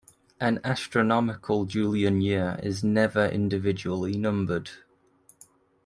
An astronomical Julian year is never individually numbered.